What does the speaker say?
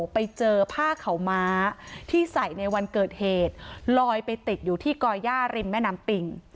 ไปเจอผ้าขาวม้าที่ใส่ในวันเกิดเหตุลอยไปติดอยู่ที่ก่อย่าริมแม่น้ำปิง